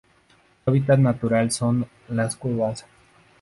Su hábitat natural son: las cuevas